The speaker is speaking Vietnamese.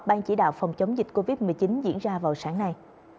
ban chỉ đạo phòng chống dịch covid một mươi chín diễn ra vào sáng nay